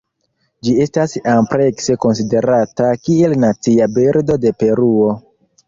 Ĝi estas amplekse konsiderata kiel nacia birdo de Peruo.